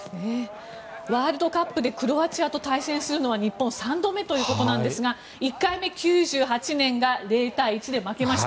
ワールドカップでクロアチアと対戦するのは日本３度目ということなんですが１回目、９８年が０対１で負けました。